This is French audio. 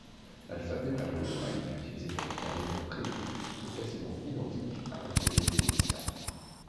L'alphabet paléo-hébraïque, utilisé pour écrire l'hébreu primitif, est quasiment identique à l'alphabet phénicien.